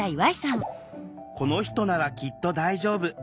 「この人ならきっと大丈夫」。